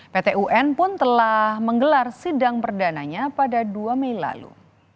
ptun pun telah menggelar sidang perdanaannya pada dua mei lalu